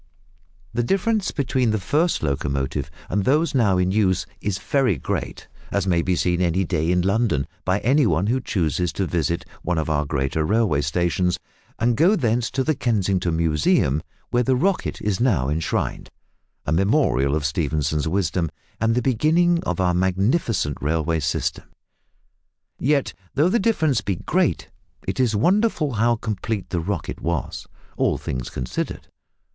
The difference between the first locomotive and those now in use is very great as may be seen any day in London, by any one who chooses to visit one of our great railway stations, and go thence to the Kensington Museum, where the "Rocket" is now enshrined a memorial of Stephenson's wisdom, and of the beginning of our magnificent railway system. Yet though the difference be great it is wonderful how complete the "Rocket" was, all things considered.